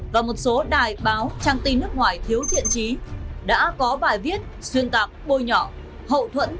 và một số đài báo trang tin nước ngoài thiếu thiện trí đã có bài viết xuyên tạc bôi nhỏ hậu thuẫn